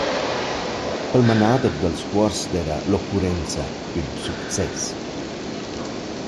Pel manader dals cuors d’eira l’occurrenza ün success.